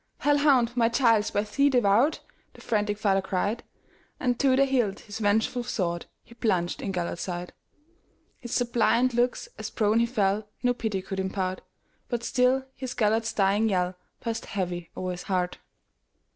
"Hell hound! my child 's by thee devoured,"The frantic father cried; And to the hilt his vengeful swordHe plunged in Gêlert's side. His suppliant looks, as prone he fell, No pity could impart; But still his Gêlert's dying yellPassed heavy o'er his heart.